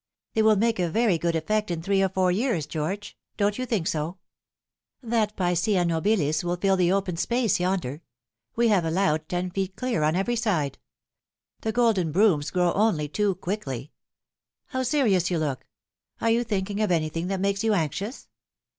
" They will make a very good effect in three or four years, George. Don't you think so ? That Picea nobilis will fill the open space yonder. We have allowed ten feet clear on every side. The golden brooms grow only too quickly. How serious you look ! Are you thinking of anything that makes you anxious